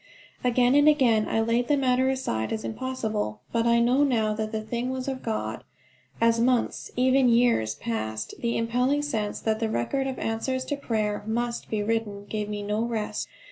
Again and again I laid the matter aside as impossible. But I know now that the thing was of God. As months, even years, passed, the impelling sense that the record of answers to prayer must be written gave me no rest.